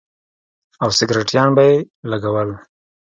او سگرټيان به يې لگول.